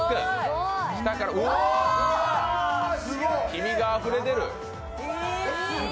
黄身があふれ出る。